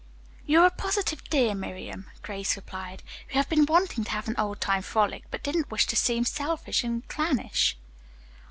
"You're a positive dear, Miriam," Grace replied. "We have been wanting to have an old time frolic, but didn't wish to seem selfish and clannish."